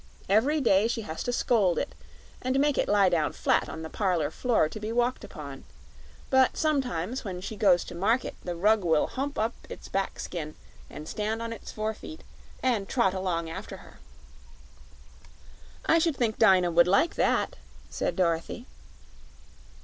Every day she has to scold it, and make it lie down flat on the parlor floor to be walked upon; but sometimes when she goes to market the rug will hump up its back skin, and stand on its four feet, and trot along after her." "I should think Dyna would like that," said Dorothy.